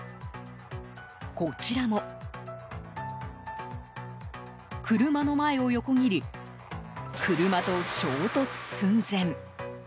こちらも、車の前を横切り車と衝突寸前。